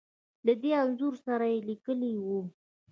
له دې انځور سره يې ليکلې وو .